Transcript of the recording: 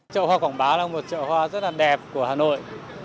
chợ hoa quảng bá là một chợ hoa rất là đẹp của hà nội